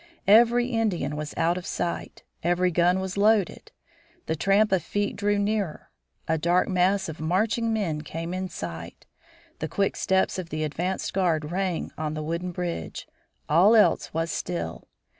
Every Indian was out of sight; every gun was loaded. The tramp of feet drew nearer. A dark mass of marching men came in sight. The quick steps of the advanced guard rang on the wooden bridge. All else was still.